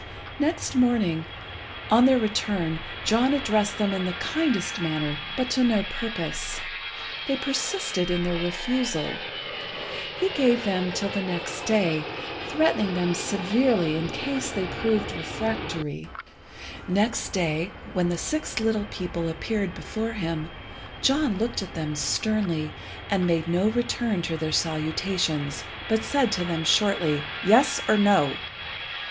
Next morning, on their return, John addressed them in the kindest manner, but to no purpose. They persisted in their refusal. He gave them till the next day, threatening them severely in case they still proved refractory. Next day, when the six little people appeared before him, John looked at them sternly, and made no return to their salutations, but said to them shortly "Yes, or No?"